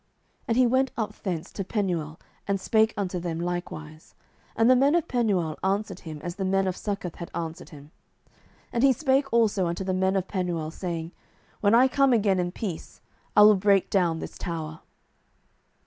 07:008:008 And he went up thence to Penuel, and spake unto them likewise: and the men of Penuel answered him as the men of Succoth had answered him. 07:008:009 And he spake also unto the men of Penuel, saying, When I come again in peace, I will break down this tower.